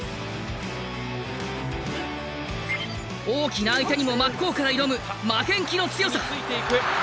大きな相手にも真っ向から挑む負けん気の強さ。